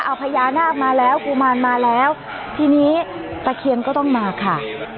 เอาพญานาคมาแล้วกุมารมาแล้วทีนี้ตะเคียนก็ต้องมาค่ะ